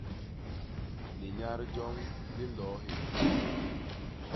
Liyat joñ li nloo hihéga.